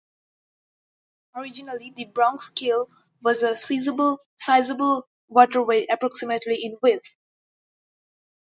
Originally, the Bronx Kill was a sizeable waterway, approximately in width.